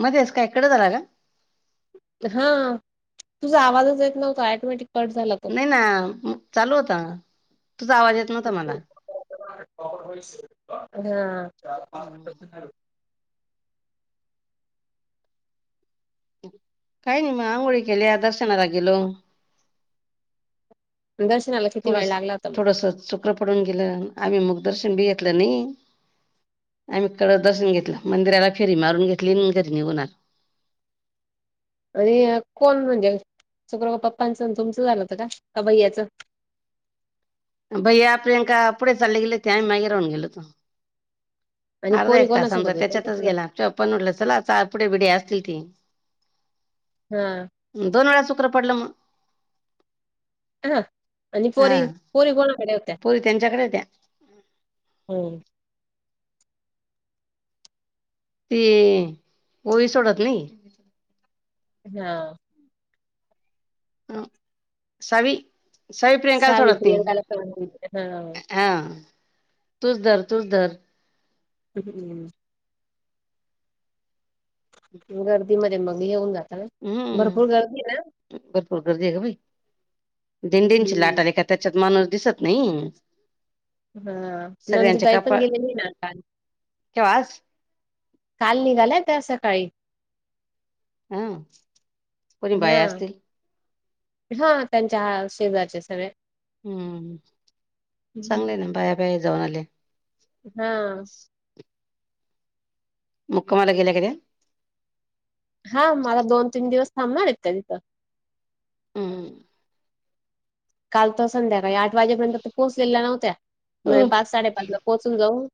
मध्येच काय कट झाला काय. हा तुझा आवाजच येत नव्हता ऑटोमॅटिक कट झाला तो. नाय ना म चालू होता तुझा आवाज येत नव्हता मला. हा काय नाही मग आंघोळी केल्या दर्शनाला गेलो. दर्शनाला. किती वेळ थोडस, लागला होता मग थोडस सुक्र पडून गेलं आम्ही मग दर्शन बी घेतलं नाहीं. आम्ही कळस दर्शन घेतलं मंदिराला फेरी मारून घेतली मग घरी निघून आलो. अरे यार कोण म्हणजे तिकड मग पप्पांचं तुमचं झालं होत का का भैय्याचं. भैय्या प्रियंका पुढ चालले गेले होते आम्ही मागे राऊून गेलो हो तो. आणि अर्धा पोरी एक तास आमचा कोणासोबत त्येच्यातच होत्या? गेलाय तूझ्या पप्पाना म्हणलं चला आता पुढे बिडे असतील ते. हां. दोन वेळा सुक्र पडलं मग. हा आणि पोरी, हा पोरी कोणाकडे होत्या. पोरी त्यांच्याकडे होत्या. हम्म. ती, ओवी सोडत नाही. हा. ह, सावी. सावी प्रियंकाला सावि सोडत नाही प्रियांकाला पल [unintelligible] हा हा, तूच धर, तूच धर. [inaudible] गर्दीमध्ये मग मी येवून जात ना हम्म, भरपूर गर्दी आहे ना भरपूर गर्दी हाय ग बाई, दिनडीणची हम्म लाट आली का त्याच्यात माणूस दिसत नाहीं. हा, नंदू ताई पण कपाळ गेलेली ना काल. केव्हा आज काल निघाल्यां त्या सकाळी. हम्म... हां, हां त्यांच्या शेजार च्या सगळ्या. हम्म, चांगलंय ना, बाया बाया जाऊन आल्या. हां.... मुक्कामाला गेल्या का त्या. हा, मला दोन तीन दिवस थांबणार आहेतं त्या तिथं. हम्म. काल तर संध्याकाळी आठ वाजेपर्यंत तर पोचलेल्या नव्हत्या, म्हणे अ, पाच साडेपाचला पोचुन जाऊं.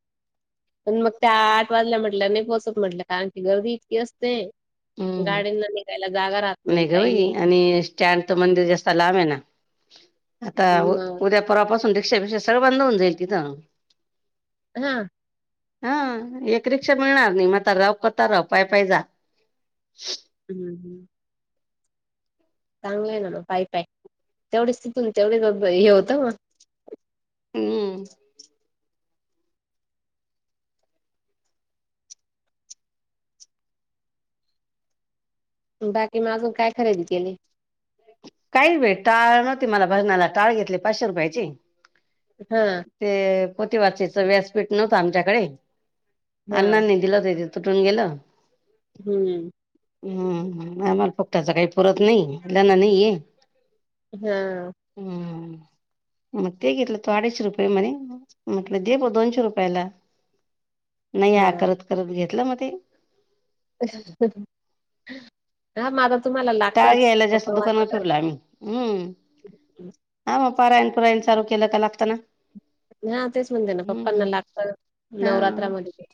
पण मग त्या आठ वाजल्या म्हटल्या नाही पोचत म्हटल्या, कारण की गर्दी इतकी असतें. हम्म गाडीना निघायला जागा राहत नाही, काही नाही. त्यातं मंदिर जास्त लांब आहे ना, आता मग उद्या... परवापासून रिक्षा बिक्षा सगळं बंद होऊन जाईल तिथं. हां. हा, एक रिक्षा मिळणार नाही. मत रावं, पत रावं, पाय पाय जां. [unintelligible] हम्म, हम्म. चांगलं आहे ना मग पाय पाय तेवढेच तुमच तेवढेच हे होतं मग हम्म. बाकी मग अजून काय खरेदी केली. काय भी भेटत, टाळ नव्हती मला भजनाला, टाळ घेतली पाचशे रुपयांची. हां. ते पोती वाचाचं व्यासपीठ नव्हतं आमच्याकडे, हा आण्णांनी. दिलं ते ते तुटून गेलं. हम्म... हम्म, आम्हाला फुकटाच काय पुरत नाही. त्यांना नाही यें. हां.. हम्म.. मग ते घेतलं तो अडीचशे रुपये म्हणे म्हटलं दे ब दोनशे रुपयाला नाही या हा. करत करत घेतलं मग ते ह माझ ताळ यायला जास्त दुकानावर फिरला आम्ही हम्म हा मग परायण पुरायण चालू केलं का लागतना हा तेच म्हणते ना, पप्पांना लागत हा नवरात्रमध्ये.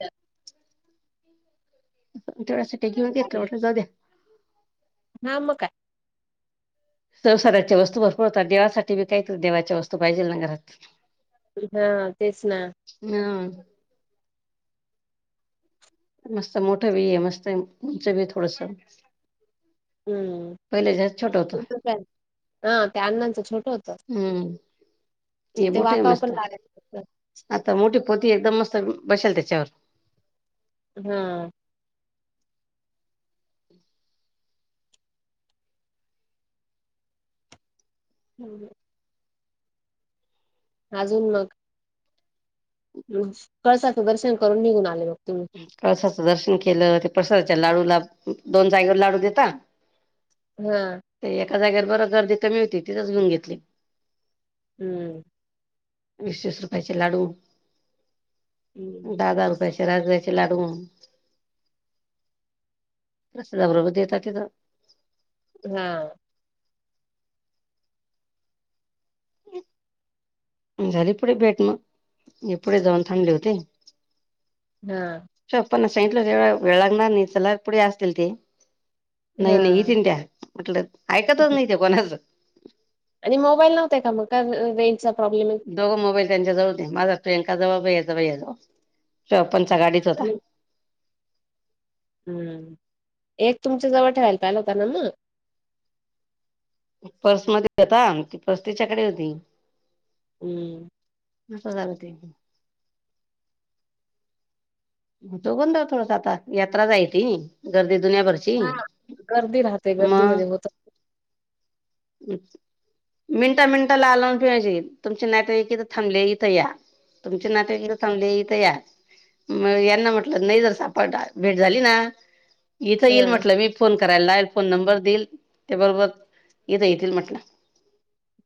तेवढ्याासाठी घेऊ घेतलं वाढत, जाऊ द्या. हां मग काय. संसाराच्या वस्तू भरपूर होतात. देवासाठी भी काहीतरी देवाच्या वस्तू पाहिजे ना घरांत. हां, तेच नां. नां. मस्त मोठं भी आहे. मस्त उंच भी आहे थोडंसं. हम्म छोटं होतं त्या अण्णांचं छोटं होत हम्म हे ते मोठे आहे वाकाव पण मस्त लागायच आता मोठी पोती एकदम मस्त बसेल त्याच्यावर हा हम अजून मग कळसाचे दर्शन करून निघून आले मग तुम्ही प्रसाचं दर्शन केलं ते प्रसादाच्या लाडूला दोन जागेवर लाडू देता हम ते एका जाग्यावर बर गर्दी कमी होती तीथच घेऊन घेतली हम् वीस वीस रुपयाचे लाडू हम्म दहा दहा रुपयाचे राजा लाूनस हजार रपे देतात तिथं हा झाली पुढे बेट मग पुढे जाऊन थांडले होते हा श्प ना साईटला वळगणार सलार पुढ असतील ते नाही नाही हा इथे त्या्या म्हटलं ऐकतच नाही ते कोणाचं आणि मोबाईल नव्हत का मग का रेंज दोघं मोबाईल त्यांच्या जवळ नाही माझा प्रियंका जवळचाजवव्पनचा गाडीत होता आहे हम्म एक तुमच्या जवळ ठेवायला पाहिला होताना ना पर्समध्येध्ये होता ती पर्स तिच्याकडे होती हम्म [unintelligible] ह प झाारत [unintelligible] दोघन जा थोडस आता यात्रा जाय त गर्दी दुन्या भरची [unintelligible] हा गर्दी राहते गर्दीमध्ये होत [unintelligible] मिनटा मिनटा ला आ लावून पिवायजे तुमचे नाटथ थांबले इथं या [unintelligible] तुमचे नातेगं चांगलेथ यार [unintelligible] म यांना म्हटलं नाही जर सापा भेट झाली ना इथं येईल हा म्हटलं मी [unintelligible] फोन करायला लागल फोन नंबर देईल त्या बरोबर येथ येतील म्हटलं [unintelligible]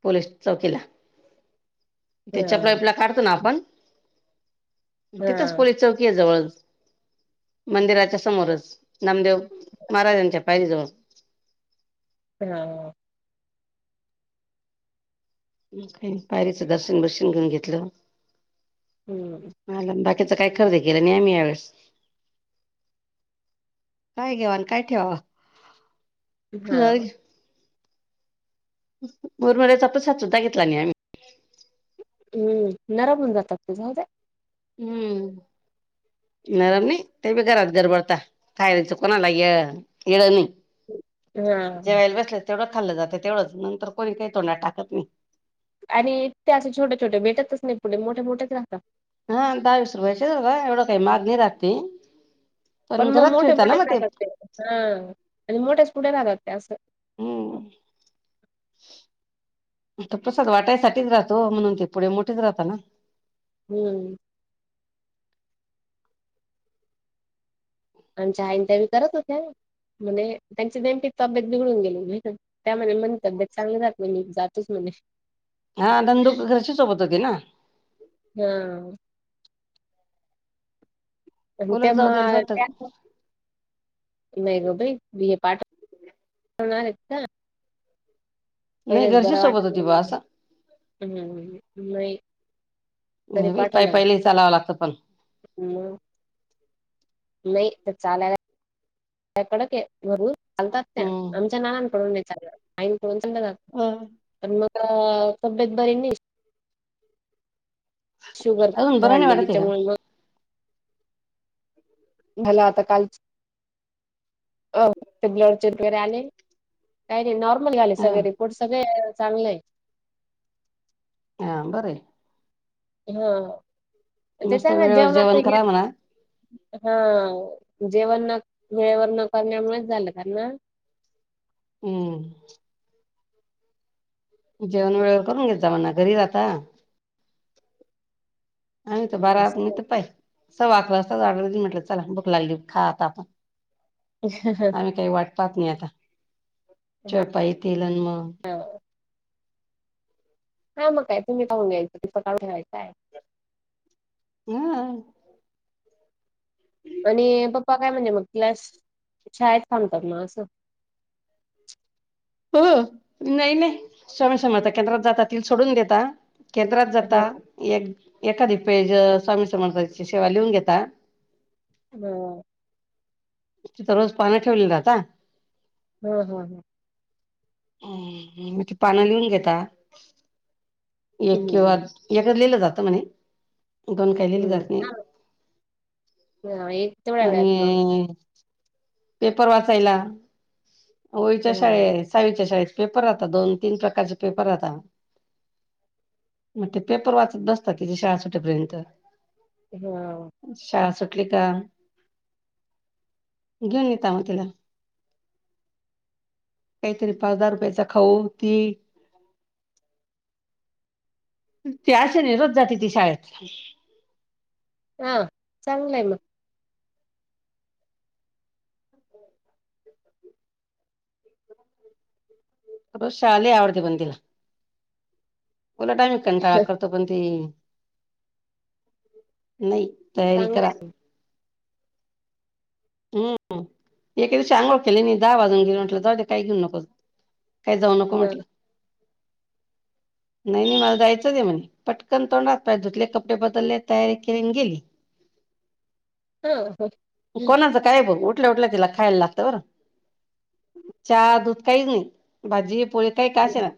पोलीस चौकीला ते चपला हा विपला काढतो ना आपण [unintelligible] तिथंच हा पोलीस चौकी आहे जवळ [unintelligible] मंदिराच्या समोरच नामदेव महाराजांच्या पायरीजवळ [unintelligible] हा [unintelligible] का पायरीचं दर्शन बर्शन घेऊन घेतलं [unintelligible] ह [unintelligible] मला बाकीचं काय खर्ज केलं नाही आमही यावेळेस [unintelligible] काय घेवान काय ठेवा [unintelligible] हा [unintelligible] बरम्याचा प्रसाद सुद्धा घेतला नाही आम्ही [unintelligible] हम्म नरम मुंदातगतच हो [unintelligible] हम्म [unintelligible] नरम नाही,, ते बी घरात गरबडता,, खायरचं कोणाला य येळ नाही. [unintelligible] हा जेव्हाला बसले तेवढंच खाल्लं जाते तेवढंच नंतर कोणी काही तोंडात टाकत नाही [unintelligible] आणि ते असे छोटे छोटे भेटतच नाही पुढे मोठे मोठेच राहतात [unintelligible] हा दहावीस रुपयाचे का एवढं काही मागणी राहते [unintelligible] पण म मोटे मोटे चं रातात ते,, आणी मोट्याच पुड्या राहतात अस, [unintelligible] हम्,, [unintelligible] तर प्रसाद वाटायसाठीच राहतो,, म्हणून ते पुढे मोठेच राहत ना. [unintelligible] हम्म, [unintelligible] आमच्या इंटरव्ह्यू करत होत्या. [unintelligible] म्हणे त्यांची नेमकी तब्येत बिघडून गेली नाही,, त्या मनेऽ [unintelligible] तब्येत चांगली जात म्ह,, जातोच म्हणे. [unintelligible] हा,, धंदुक घरशी सोबत होती ना. [unintelligible] हा, [unintelligible] ते उलट म जाऊ द्यायला पाहत त्याऽ [unintelligible] नाही ग बाई, बी हे पाठणार आहेत का? [unintelligible] नाही पहिले घरची बरं सोबत वाटत होती नाही बा मला, असं हम,, नाही ऽ [unintelligible] नाही बी पाय, पायला चालावं लागतं पणऽ [unintelligible] मगऽ [unintelligible] नाही,, तर चालायला, त्या कडक य वरून. [unintelligible] चालतात, त्या हम्म आमच्या नानां पळून नाही चाल,, आईन पळून चाललंऽ [unintelligible] हा,, [unintelligible] आमी मग,, तब्येत बरी नाईऽ [unintelligible] शुगर अून बरं नाई वाढलेली वाटतय का त्यामुळे [unintelligible] मग मला आता कालऽ [unintelligible] अ ते ब्लड चेट वगैरे आले,, काही नाही,, नॉर्मल झा आले हा सगळे रिपोर्ट,, सगळे चांगलय. हां, बरंय [unintelligible] हा,, ते मस्त त्याना वेळेवर जेवणाच जेवण गऽ करा म्हणा [unintelligible] हा,, जेवण न वळेवर न करण्यामुळेच झालं,, कार नाऽ [unintelligible] हम्म, [unintelligible] जेवण वेळे करून घेत जा म्हना.. घरी राहाताऽ [unintelligible] आम्ही त बारा मी त पाय सव्वा अकरा वाजताच [unintelligible] म्हटलं चला भुक लागली खा आता आपण आम्ही काय वाट पाहत नाय आता, चपाईती लावून हो हा मग काय, तुम्ही पण घ्यायचं, तिचं काय नाय काय हो आओ आणि, पप्पा काय म्हणजे मग क्लास, शाळेत थांबतात म असं हो नाय नाय स्वामी समर्था केंद्रात जाता तिल सोडून देता केंद्रात हा जाता, एक एखादी पेज स्वामी समर्था ची सेवा लिहून घेता बर तिथं सगळंचं पानं ठेवले राहता. हा हा हा हम्म मग ती पानं लिहून घेता एक किंवा, हम्म एकच लिलं जात म्हणे दोन काही लिहिली हम्म, जात नाही ह एक ते थोड्या वेळात आणि पेपर वाचायला, ओळीच्या हा शाळेत साईच्या शाळेत पेपर व्हता, दोन तीन प्रकारचे पेपर व्हता म ते पेपर वाचत बसतात,, हिजे शाळा सुटेपर्यंत. हा शाळा सुटली का घेऊन येता म तिला कायतरी पाच दहा रुपयाचा खाऊ केक त्या आशेनी, रोज जाते ती शाळेत अ चांगलंय म रोज शाळा लय आवडते पण तिला उलट आम्ही कंटाळा करतो पण, ती नही. तयारी चांगलं करा. आहे हम्म एके दिवशी अंघोळ केली नाही दहा वाजून गेले म्हटलं जाऊ दे काही घेऊ नको. काय जाऊ नको मग म्हटलं नही मला जायचंच ये म्हणली पटकन तोंड हात पाय धुतले कपडे बदलले तयारी केली अन् गेली. हा हा सकाळी बघ उठल्या उठल्या तिला खायला लागत बरं चहा दूध काही म्हण भाजी पोळी काही का असेना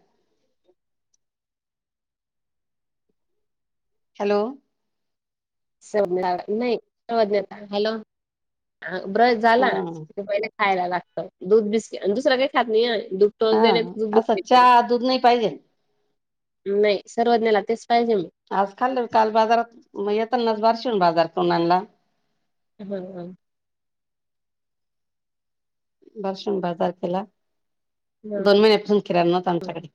हॅलो सोडणार नाही हॅलो हा ब्रश झाला ह खायला लागतं दूध बिस्किट आणि दुसरं काहीचं खात नाही ना दूध टोस्ट हा दयायला दूध असं पिते. चहा दूध नाही पाहिजेल. नाही सर्वज्ञला तेच पाहिजे म आज खाल्ल होत आज बाजारात म येेतानाच बारशीहून बाजार करून आणला. हो. बार्शीहून बाजार केला हा दोन महिन्यापासून किराणा नव्हता आमच्याकडे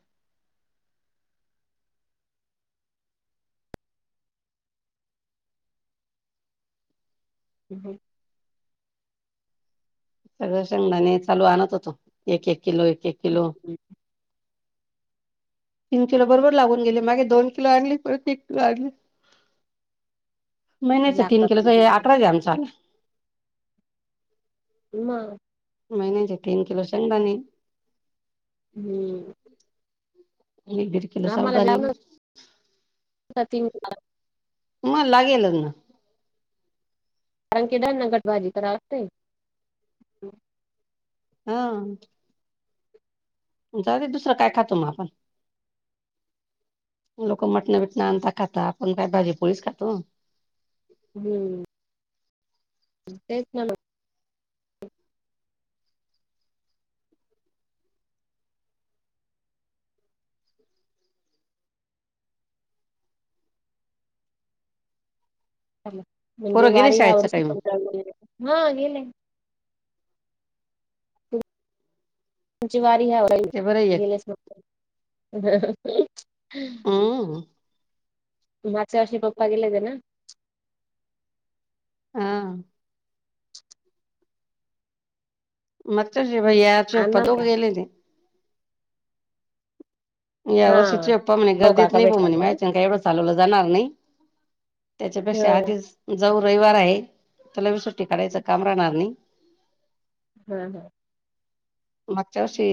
[unintelligible] सगळं शेंगदाणे चालू आणत होतो एक एक किलो एक एक किलो तीन किलो बरोबर लागून गेले मागे दोन किलो आणले परत एक किलो आणले. महिन्याचा तीन लागतात किलोचा त आकडाच ये आमचा. म महिन्याचे तीन किलो शेंगदाणे हम्म [unintelligible] आम्हाला लागल तर [unintelligible] तुम्हाला लागेल म कारण क केदा न घटबाजी कररा असय. [unintelligible] हां. जाऊदे दुसरं काय खातो मग आपण. लोक मटणं, बिटणं आणता खाता, आपण काय भाजीपोळीच खातो. हम्म. तेच ना मग. म्हणजे पोरं गेले वारी शाळेत ह्यावर्षी, सकाळी मग हा गेलेय. तुमची वारी ह्या ते बरं आहेत गेलेस म हम्म. मागच्या वर्षी पप्पा गेलेते ना? हां. मग तर जेवाय याचे अण्णा नाही पदोक का? गेले ते. या हा वर्षीची पप्पा म्हणे भाऊ गर्दीत काका नाही भो भेटला म्हणे ना. मा्याच्यान काही एवढं चालवलं जाणार नाही. हा त्याच्यापेक्षा आधीच जाऊ रविवार आहे, त्याला बि सुट्टी काढायचं काम राहणार नाही. हा हां. मागच्या वर्षी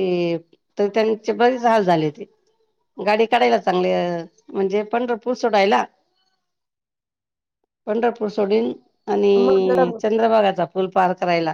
तर, त्यांचे बरेच हाल झाले ते. गाडी काढायला चांगली म्हणजे पंढरपूर सोडायला. पंढरपूर सोडून आणि मग चंद्रभगाचा पूल पार करायला.